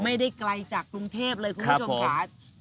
ไม่ได้ไกลจากกรุงเทพเลยคุณผู้ชมค่ะ